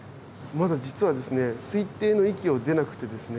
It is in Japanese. まだ実は推定の域を出なくてですね